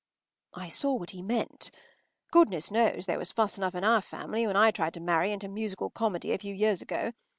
” I saw what he meant. Goodness knows there was fuss enough in our family when I tried to marry into musical comedy a few years ago.